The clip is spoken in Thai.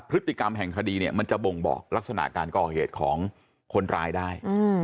พฤติกรรมแห่งคดีเนี่ยมันจะบ่งบอกลักษณะการก่อเหตุของคนร้ายได้